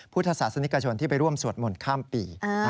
พุทธศาสนิกชนที่ไปร่วมสวดมนต์ข้ามปี